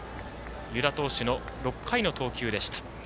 湯田投手の６回の投球でした。